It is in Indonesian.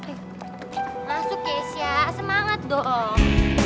masuk keisha semangat dong